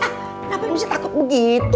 kenapa lu takut begitu